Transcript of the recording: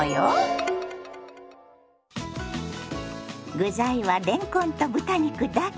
具材はれんこんと豚肉だけ！